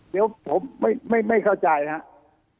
เดี๋ยวผมไม่เข้าใจนะครับ